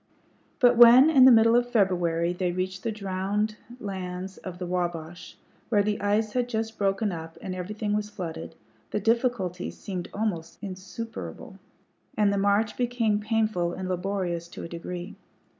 But when, in the middle of February, they reached the drowned lands of the Wabash, where the ice had just broken up and everything was flooded, the difficulties seemed almost insuperable, and the march became painful and laborious to a degree.